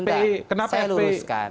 sebentar saya luruskan